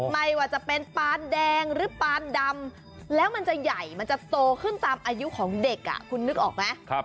ไม่ว่าจะเป็นปานแดงหรือปานดำแล้วมันจะใหญ่มันจะโตขึ้นตามอายุของเด็กคุณนึกออกไหม